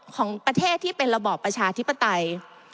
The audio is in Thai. ของประเทศที่เป็นระบอบประชาธิปไตย